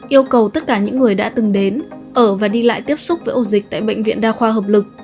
yêu cầu tất cả những người đã từng đến ở và đi lại tiếp xúc với ổ dịch tại bệnh viện đa khoa hợp lực